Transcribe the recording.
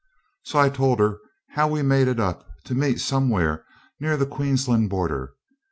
So I told her how we made it up to meet somewhere near the Queensland border.